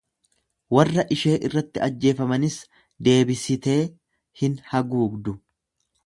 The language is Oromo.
Warra ishee irratti ajjeefamanis deebisitee hin haguugdu.